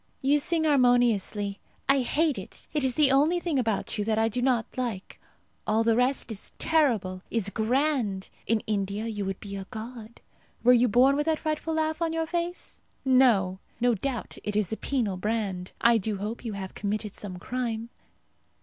You sing harmoniously. I hate it. It is the only thing about you that I do not like. All the rest is terrible is grand. In India you would be a god. Were you born with that frightful laugh on your face? No! No doubt it is a penal brand. I do hope you have committed some crime.